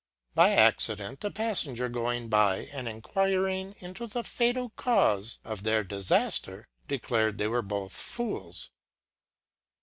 By accident a paffenger going by, and enquiring into the fatal caufe of their difafler, declared they were both fools.